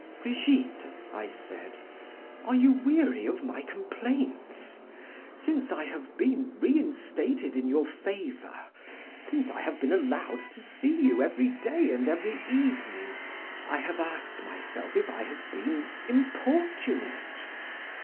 "Brigitte," I said, "are you weary of my complaints? Since I have been reinstated in your favor, since I have been allowed to see you every day and every evening, I have asked myself if I have been importunate.